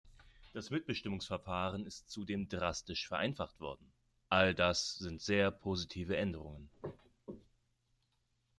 Das Mitbestimmungsverfahren ist zudem drastisch vereinfacht worden. All das sind sehr positive Änderungen.